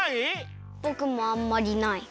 ぼくもあんまりない。